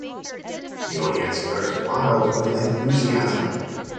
The audience goes wild with enthusiasm.